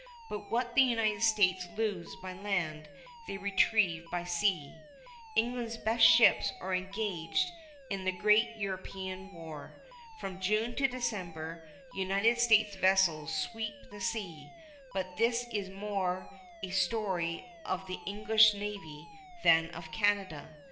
But what the United States lose by land, they retrieve by sea. England's best ships are engaged in the great European war. From June to December, United States vessels sweep the sea; but this is more a story of the English navy than of Canada.